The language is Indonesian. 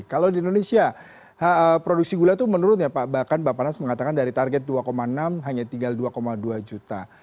kalau di indonesia produksi gula itu menurun ya pak bahkan bapak nas mengatakan dari target dua enam hanya tinggal dua dua juta